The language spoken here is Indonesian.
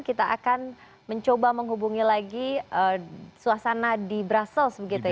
kita akan mencoba menghubungi lagi suasana di brussels